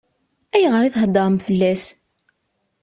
Ayɣer i theddṛem fell-as?